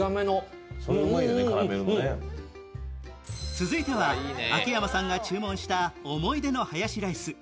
続いては秋山さんが注文した思い出のハヤシライス。